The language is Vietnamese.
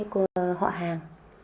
cô họ hàng